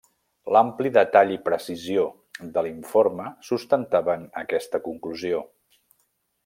L'ampli detall i precisió de l'informe, sustentaven aquesta conclusió.